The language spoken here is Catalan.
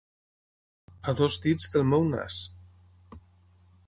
A dos dits del meu nas.